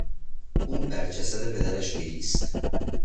او بر جسد پدرش گریست.